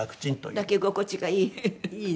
抱き心地がいい。いいの？